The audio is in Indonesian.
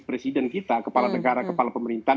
presiden kita kepala negara kepala pemerintahan